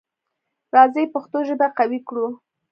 راځی پښتو ژبه قوي کړو.